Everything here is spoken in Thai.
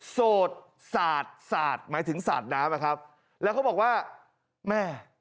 โสดสาดสาดหมายถึงสาดน้ำอะครับแล้วเขาบอกว่าแม่